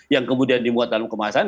yang kemudian dimuat dalam kemasan